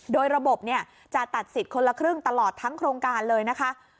โดยระบบจะตัดสิทธิ์คนละครึ่งตลอดทั้งโครงการเลยนะคะ